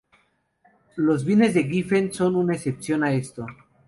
Los bienes de Giffen son una excepción a esto.